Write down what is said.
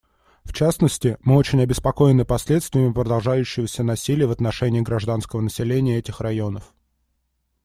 В частности, мы очень обеспокоены последствиями продолжающегося насилия в отношении гражданского населения этих районов.